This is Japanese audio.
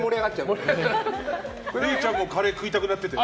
れいちゃんもカレー食べたくなってたよ。